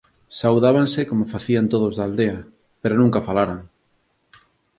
Saudábanse como facían tódolos da aldea, pero nunca falaran.